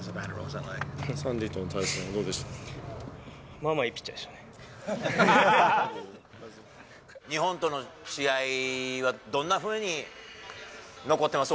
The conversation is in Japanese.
まあまあいいピッチャーでし日本との試合は、どんなふうに残ってます？